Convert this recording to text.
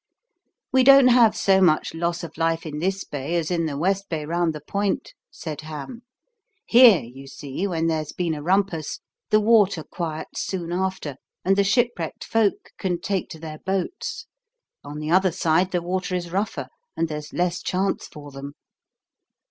"We don't have so much loss of life in this bay as in the west bay round the point," said Ham. "Here, you see, when there's been a rumpus, the water quiets soon after, and the shipwrecked folk can take to their boats; on the other side the water is rougher, and there's less chance for them.